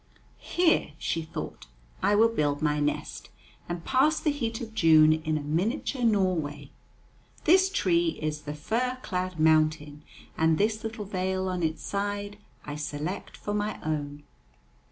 "Here," she thought, "I will build my nest, and pass the heat of June in a miniature Norway. This tree is the fir clad mountain, and this little vale on its side I select for my own."